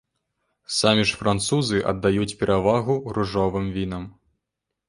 Самі ж французы аддаюць перавагу ружовым вінам.